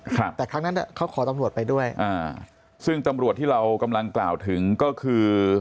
ครับแต่ครั้งนั้นเขาขอตำรวจไปด้วยอ่าซึ่งตำรวจที่เรากำลังกล่าวถึงก็คือ